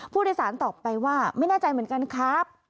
ผู้โดยสารตอบไปว่าไม่แน่ใจเหมือนกันครับ